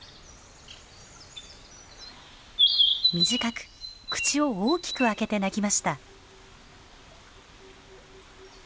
短く口を大きく開けて鳴きました。